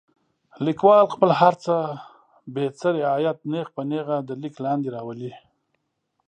لیکوال خپل هر څه بې څه رعایته نیغ په نیغه د لیک لاندې راولي.